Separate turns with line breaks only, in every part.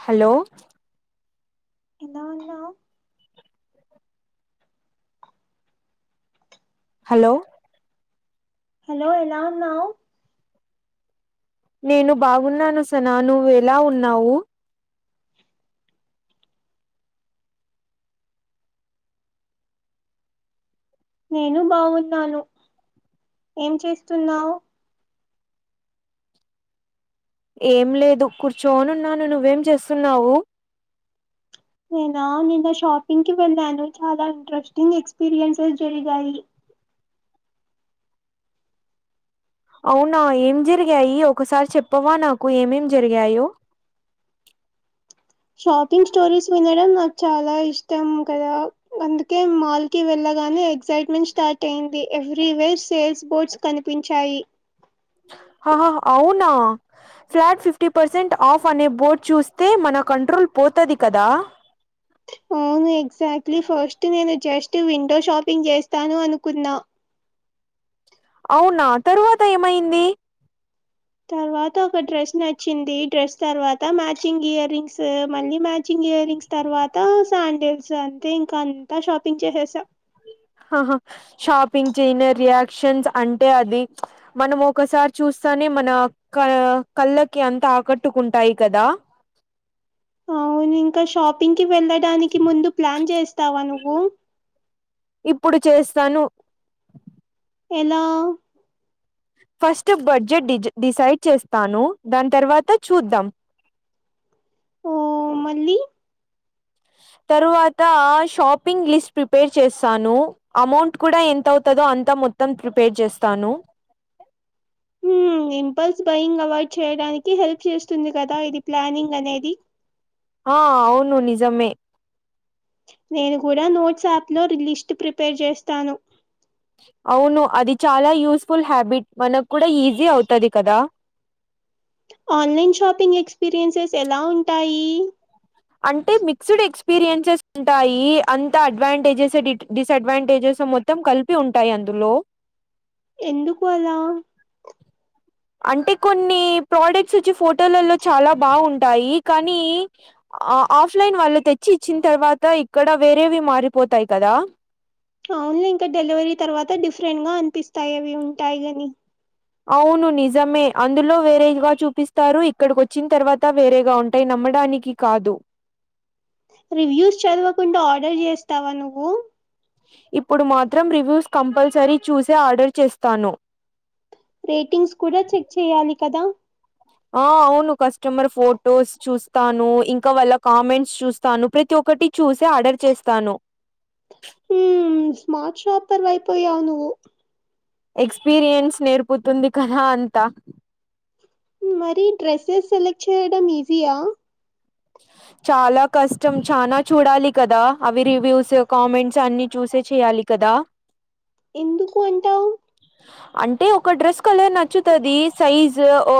Hello
ఎలా ఉన్నా
hello
hello ఎలా ఉన్నావ్
నేను బాగున్నాను సనా నువ్వు ఎలా ఉన్నావు
నేను బాగున్నాను ఏం చేస్తున్నావ్
ఏం లేదు కూర్చోనున్నాను నువ్వేం చేస్తున్నావు
నేనా నిన్న షాపింగ్కి వెళ్ళాను చాలా ఇంట్రెస్టింగ్ ఎక్స్పీరియన్సెస్ జరిగాయి
అవునా ఏం జరిగాయి ఒకసారి చెప్పవా నాకు ఏమేం జరిగాయో
షాపింగ్ స్టోరీస్ వినడం నాకు చాలా ఇష్టం కదా అందుకే మాల్ కి వెళ్ళా గానే ఎగ్సైట్మెంట్ స్టార్ట్ అయింది ఎవ్రీ వేర్ సేల్స్ బోర్డ్స్ కనిపించాయి
హహ అవునా ఫ్లాట్ ఫిఫ్టీ పర్సెంట్ ఆఫ్ అనే బోర్డ్ చూస్తే మన కంట్రోల్ పోతది కదా
ఊ అవును ఎక్సాక్ట్లీ ఫస్ట్ నేను జస్ట్ విండో షాపింగ్ చేస్తాను అనుకున్నా
అవునా తర్వాత ఏమయింది
తర్వాత ఒక డ్రెస్ నచ్చింది డ్రెస్ తర్వాత మ్యాచింగ్ ఇయర్ రింగ్స్ మళ్ళీ మ్యా చింగ్ ఇయర్ రింగ్స్ తర్వాత శాండిల్స్ అంతే ఇంకా అంతా షాపింగ్ చేసేసా
షాపింగ్ చేయన రియాక్షన్స్ అంటే అది మనం ఒకసారి చూస్ సనే మన క కళ్ళకి అంతా ఆకట్టుకుంటాయి కదా
ఊ అవును ఇంకా షాపింగ్కి వెళ్ళడానికి ముందు ప్లాన్ చేస్తావా నువ్వు
ఇప్పుడు చేస్తాను
ఎలా
ఫస్ట్ బడ్జెట్ డిజ్ డిసైడ్ చేస్తాను దాని తర్వాత చూద్దాం
ఓ మళ్ళీ
తరువాత షాపింగ్ లిస్ట్ ప్రిపేర్ చేస్తాను అమౌంట్ కూడా ఎంత అవుతదో అంత మొత్తం ప్రిపేర్ చేస్తాను
ఉ ఇంగ ఇంపల్స్ బయింగ్ అవాయిడ్ చేయడానికి హెల్ప్ చేస్తుంది కదా ఇది ప్లానింగ్ అనేది
ఆ అవును నిజమే
నేను కూడా నోట్స్ యాప్లో లిస్ట్ ప్రిపేర్ చేస్తాను
అవును అది చాలా యూస్ఫుల్ హ్యాబిట్ మనకు కూడా ఈజీ అవుతది కదా
ఆన్లైన్ షాపింగ్ ఎక్స్పీరియన్సెస్ ఎలా ఉంటాయి
అంటే మిక్స్డ్ ఎక్స్పీరియన్సెస్ ఉంటాయి అంత అడ్వాంటేజెస్ డి డిసఅడ్వాంటేజెస్ మొత్తం కలిపి ఉంటాయి అందులో
ఎందుకు అలా
అంటే కొన్ని ప్రోడక్ట్స్ వచ్చి ఫోటోలలో చాలా బాగుంటాయి కానీ ఆ ఆఫ్లైన్ వాళ్ళు తెచ్చి ఇచ్చిన తర్వాత ఇక్కడ వేరేవి మారిపోతాయి కదా
అవున్లే ఇంక డెలివరీ తర్వాత డిఫరెంట్ గా అనిపిస్తాయి అవి ఉంటాయిగని
అవును నిజమే అందులో వేరేగా చూపిస్తారు ఇక్కడికొచ్చిన తర్వాత వేరేగా ఉంటాయి న అమ్మడానికి కాదు.
రివ్యూస్ చదవకుండా ఆర్డర్ చేస్తావా నువ్వు.
ఇప్పుడు మాత్రం రివ్యూస్ కంపల్సరీ చూసే ఆర్డర్ చేస్తాను.
రేటింగ్స్ కూడా చెక్ చెయ్యాలి కదా.
ఆ అవును కస్టమర్ ఫొటోస్ చూస్తాను, ఇంకా వాళ్ళ కామెంట్స్ చూస్తాను ప్రతి ఒక్క ఒకటి చూసి ఆర్డర్ చేస్తాను.
హ్ స్మార్ట్ షాపర్ వైపోయావు నువ్వు.
ఎక్స్పీరియన్స్ నేర్పుతుంది కదా అంతా.
మరి డ్రెస్సెస్ సెలెక్ట్ చేయడం ఈజీయా.
చాలా కష్టం చానా చూడాలి కదా. అవి రివ్యూస్, కామెంట్స్ అన్ని చూసి చేయాలి. కదా
ఎందుకు అంటావు.
అంటే ఒక డ్రెస్ కలర్ నచ్చుతది. సైజ్ ఒ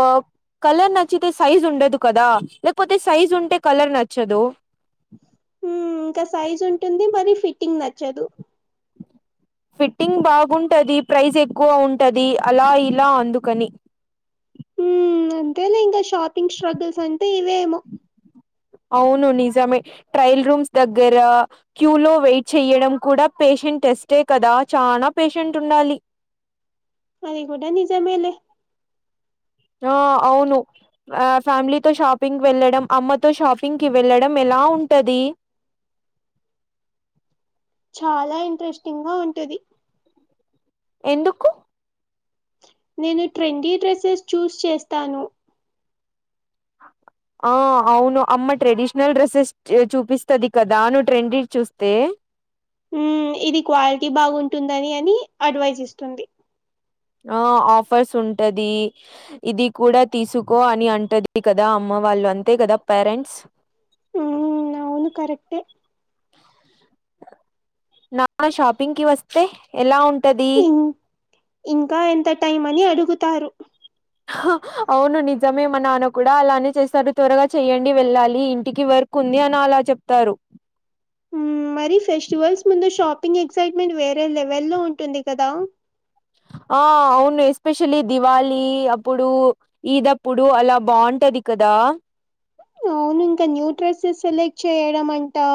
కలర్ నచ్చితే సైజు ఉండదు కదా. లేకపోతే సైజ్ ఉంటే కలర్ నచ్చదు.
హ్ ఇంకా సైజ్ ఉంటుంది మరి ఫిట్టింగ్ నచ్చదు.
ఫిట్టింగ్ బాగుంటది, ప్రైజ్ ఎక్కువ ఉంటది అలా ఇలా అందుకని.
ఉ అంతే లే ఇంకా షాపింగ్ స్ట్రగుల్స్ అంటే ఇవేమో.
అవును నిజమే ట్రయల్ రూమ్స్ దగ్గర క్యూ లో వెయిట్ చెయ్యడం కూడా పేష న్ టెస్టే కదా చానా పేషెంట్ ఉండాలి.
అది కూడా నిజమేలే.
ఆ అవును ఆ ఫ్యామిలీతో షాపింగ్ వెళ్ళడం, అమ్మతో షాపింగ్ కి వెళ్ళడం ఎలా బాఉంటది.
చాలా ఇంట్రెస్టింగ్ గా ఉంటది.
ఎందుకు?
నేను ట్రెండీ డ్రెస్సెస్ చూస్ చేస్తాను.
ఆ అవును అమ్మ ట్రెడిషనల్ డ్రెస్సెస్ చూపిస్తది కదా, నువ్వు ట్రెండివి చూస్తే.
హ్మ్ ఇది క్వాలిటీ బాగుంటుందని అని అడ్వైజ్ ఇస్తుంది.
ఆ ఆఫర్స్ ఉంటది, ఇది కూడా తీసుకో అని అంటది కదా అమ్మ వాళ్ళు అంతే కదా పేరెంట్స్.
ఉ అవును కరెక్టే.
నాన షాపింగ్కి వస్తే ఎలా ఉంటది?
ఇం ఇంకా ఎంత టైం అని అడుగుతారు.
అవును నిజమే మా నాన్న కూడా అలానే చేస్తారు. త్వరగా చెయ్యండి వెళ్ళాలి ఇంటికి, వర్క్ కుంది అని అలా చెప్తారు.
మరి ఫెస్టివల్స్ ముందు షాప్ పింగ్ ఎక్సైట్మెంట్ వేరే లెవెల్లో ఉంటుంది కదా.
ఆ అవును ఎస్పెషల్లీ దివాళి అప్పుడు, ఈద్ అప్పుడు అలా బావుం టది కదా.
అవును ఇంకా న్యూ డ్రెసెస్ సెలెక్ట్ చేయడం అంటా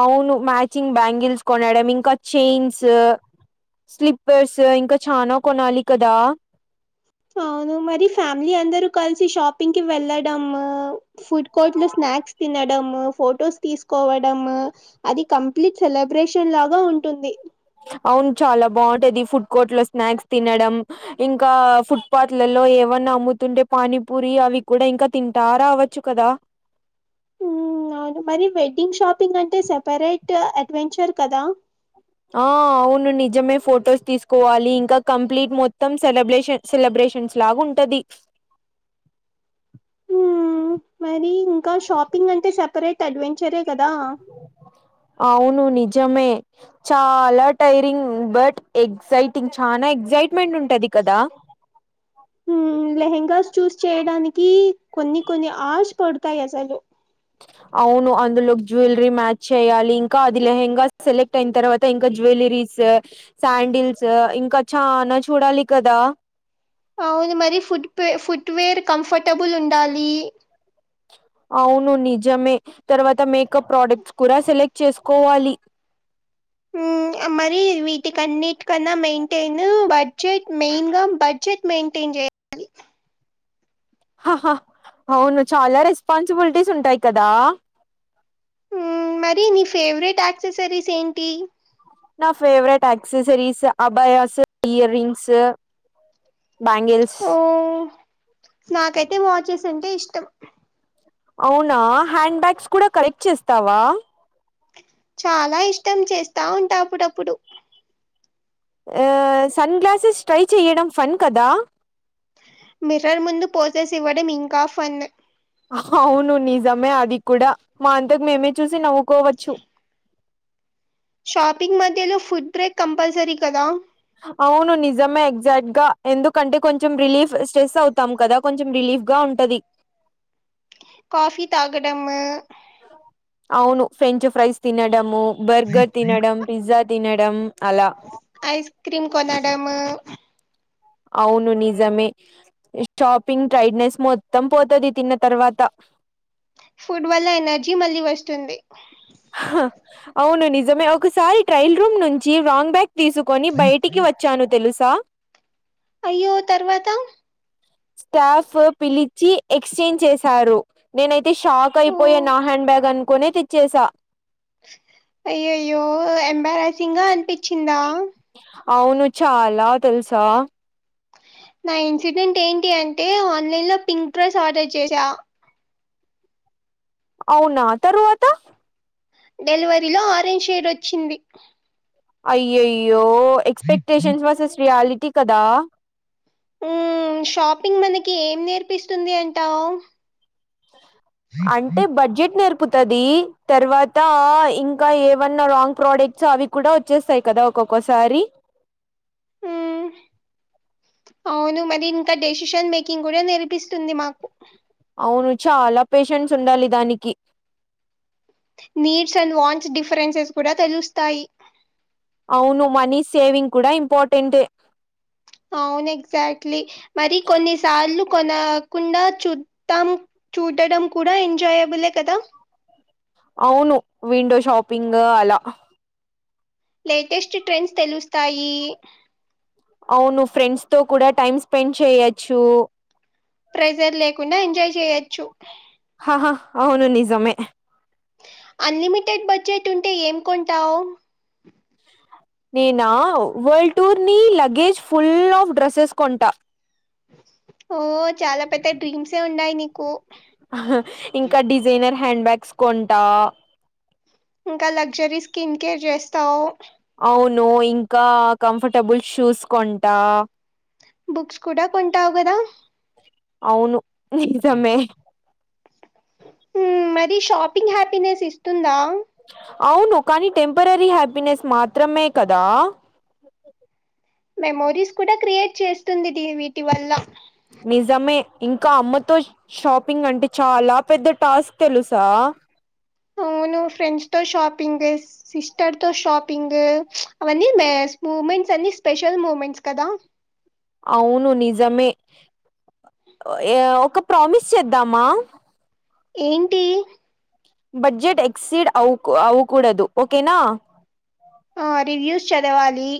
అవును మ్యాచింగ్ బ్యాంగిల్స్ కొనడం, ఇంకా చైన్స్ స్లీప్పర్స్ ఇంకా చానా కొనాలి కదా.
అవును మరి ఫ్యామిలీ అందరు కలిసి షాపింగ్ కి వెళ్ళడం, ఫుడ్ కోర్టులో స్నా స్నాక్స్ తినడం, ఫొటోస్ తీసుకోవడం అది కంప్లీట్ సెలబ్రేషన్ లాగా ఉంటుంది.
అవును చాలా బాగుంటది ఫుడ్ కోర్టు లో స్నాక్స్ తినడం ఇంకా ఫుట్పాత్లలో లో ఏమన్నా అమ్ముతుంటే పానీపూరి అవి కూడా ఇంకా తింటా రావచ్చు కదా
ఉమ్ అవును మరి వెడ్డింగ్ షాపింగ్ అంటే సెపరేట్ అడ్వెంచర్ కదా
ఆ అవును నిజమే ఫొటోస్ తీసుకోవాలి ఇంకా కంప్లీట్ మొత్తం సెలబ్రేషన్ సెలబే పేషెంట్స్ లాగా ఉంటది
[inaudible] హు మరి ఇంకా షాపింగ్ అంటే సపరేట్ అడ్వెంచర్
అవును ని నిజమే చాలా టైరింగ్ బట్ ఎగ్జైటింగ్ చా ఎగ్జైట్ ఎక్సైట్ ఉంటంది కదా
హ్మ్. లెహెంగాస్ చూస్ చేయడానికి కొన్ని కొన్ని ఆశ పడతాయి అసలు
అవును అందులో జ్యువెలరీ మ్యాచ్ చేయాలి ఇంకా అది లెహంగా సెలెక్ట్ అయిన తర్వాత ఇంకా జ్యువెలరీ రీస్ శాండిల్స్ ఇంకా చాలా చూడాలి కదా
అవును మరి ఫుట్ ఫుట్వేర్ కంఫర్టబుల్ ఉండాలి
అవును నిజమే తర్వాత మేకప్ ప్రోడక్ట్స్ కూడా సెలెక్ట్ చేసుకోవాలి
కన్నీటికన్నా మెయింటైన్ బడ్జెట్ మెయిన్ గా బడ్జెట్ మెయింటైన్ చేయాలి
ఆహా అవును చాలా రెస్పాన్సిబిలిటీస్ ఉంటాయి కదా
ఉ మరి నీ ఫేవరెట్ అక్సెసరీస్ ఏంటి
నా ఫేవరెట్ అక్సెసరీస్ అబయాస్ ఇయర్ రింగ్స్ బ్యాంగిల్స్
ఓహ్! నాకైతే వాచెస్ అంటే ఇష్టం
అవునా హ్యాండ్ బ్యాగ్స్ కూడా కలెక్ట్ చేస్తావా
చాలా ఇష్టం చేస్తా ఉంటా అప్పుడప్పుడు
సన్ గ్లాసెస్ ట్రై చేయడం ఫన్ కదా
మిర్రర్ ముందు పోసేస్ ఇవ్వడం ఇంకా ఫన్
అవును నిజమే అది కూడా మా అంతకు మేమే చూసి నవ్వు కోవచ్చు
షాపింగ్ మధ్యలో ఫుడ్ బ్రేక్ కంపల్సరి కదా
అవును నిజమే ఎగ్జాక్ట్ గా ఎందుకంటే కొంచెం రిలీఫ్ స్ట్రెస్ అవుతా కదా కొంచెం రిలీఫ్ రిలీఫ్ గా ఉంటాది
కాఫీ తాగడంము
అవును ఫ్రెంచ్ ఫ్రైస్ తినడము బర్గర్ తినడం పిజ్జా తినడం అలా.
ఐస్ క్రీమ్ కొనడము
అవును నిజమే షాపింగ్ ట్రైడ్నెస్ మొత్తం పోతుది తిన్న తర్వాత
ఫుడ్ వల్ల ఎనర్జీ మళ్లీ వస్తుంది
అవును నిజమే ఒకసారి ట్రైల్ రూమ్ నుంచి రాంగ్ బ్యాగ్ తీసుకొని బయటికి వచ్చాను తెలుసా
అయ్యో తర్వాత
స్టాఫ్ పిలిచి ఎక్స్చేంజ్ చేశారు నేనైతే షాక్
ఓ
అయిపోయా నా హండ్ బ్యాగ్ అనుకునే తెచ్చేసా
అయ్యో అయ్యో ఎంబారసింగా అనిపించిందా
అవును చాలా తెలుసా
నా ఇన్సిడెంట్ ఏంటి అంటే ఆన్లైన్ లో పింక్ డ్రెస్ ఆర్డర్ చేసా
అవునా తర్వాత
డెలివరీలో ఆరెంజ్ షేడ్ వచ్చింది
అయ్యయ్యో ఎక్స్పెక్టేషన్స్ వర్సెస్ రియాలిటీ కదా
ఊ షాపింగ్ మనకి ఏం నేర్పిస్తుంది అంటావ్
అంటే బడ్జెట్ నేర్ ర్పుతదీ తర్వాతా ఇంకా ఏవన్న రాంగ్ ప్రోడక్ట్సు అవి కూడా వొచ్చేస్తాయ్ కదా ఒక ఒకోసారి
ఊ అవును మరి ఇంకా డెసిషన్ మేకింగ్ కూడ నేర్పిస్తుంది మాకు
అవును చాలా పేషెంన్స్ ఉండాలి దానికి
నీడ్స్ అండ్ వాంచ్ డిఫరెన్సెస్ కుడా తెలుస్తాయి
అవును మనీ సేవింగ్ కడా ఇంపార్టెంటే
అవును ఎగ్జాక్ట్లీ మరి కొన్నిసార్లు కొనకుండా చుత్తాం చూడడం కుడా ఎంజాయబులే కదా
అవును విండో షాపింగూ అలా
లేటెస్ట్ ట్రెండ్స్ తెలుస్తాయి
అవును ఫ్రెండ్స్ తో కుడా టైమ్ స్పెండ్ చేయచ్చు
ప్రెజర్ లేకుండా ఎంజాయ్ చేయచ్చు
హహహ్ అవును నిజమే
అన్ లిమిటెడ్ బడ్జెట్టుంటే ఏం కొంటావ్
నేనా వల్డ్ టూర్ ని లగేజ్ ఫుల్లాఫ్ డ్రెస్సెస్ కొంటా
ఓ చాలా పెద్ద డ్రీమ్సే ఉండాయ్ నీకు
అహ ఇంకా డిజైనర్ హ్యాండ్ బ్యాగ్స్ కొంటా
ఇంకా లగ్జరీ స్కిన్ కేర్ జేస్తావ్
అవును ఇంకా కంఫర్టబుల్ షూస్ కొంటా
బుక్స్ కుడా కొంటావ్ కదా
అవును నిజమే
ఉ మరి షాపింగ్ హ్యాపీనెస్ ఇస్తుందా
అవును కానీ టెంపరరీ హ్యాపీనెస్ మాత్రమే కదా
మెమోరీస్ కుడా క్రియేట్ చేస్తుంది ది వీటి వల్ల
నిజమే ఇంకా అమ్మతో షాపింగంటే చాలా పెద్ద టాస్క్ తెలుసా
ఉ నేను ఫ్రెండ్స్ తో షాపింగ్ దేస్ సిస్టర్ తో షాపింగు అవన్నీ మేస్ మూమెన్ న్స్ అన్ని స్పెషల్ మూమెంట్స్ కదా
అవును నిజమే ఎఅఒ ఒక ప్రామిస్ చేద్దామా
ఏంటి
బడ్జెట్ ఎక్సీడ్ అవ్కు అవుకూడదు ఓకేనా
ఆ రివ్యూస్ చదవాలి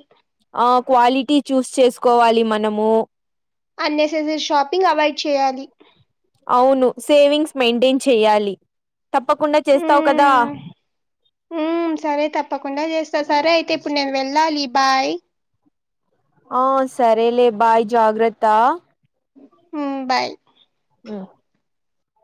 ఆ క్వాలిటీ చూస్ చేసుకోవాలి మనము
అన్నెసెసరీ షాపింగ్ అవైడ్ చేయాలి
అవును సేవింగ్స్ మెయింటైన్ చెయ్యాలి తప్పకుండా
ఉ
చేస్తావు కదా
ఊమ్ సరే తప్పకుండా జేస్తా సరే అయితే ఇప్పుడు నేన్ వెళ్ళాలి బాయ్
ఆ సరేలే బాయ్ జాగ్రత్త
ఉమ్ బాయ్
ఉ